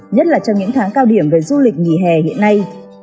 nhất là trong những tháng cao điểm về du lịch nghỉ hè hiện nay